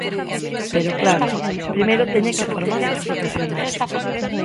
Pero claro, primeiro teñen que formarse os profesionais.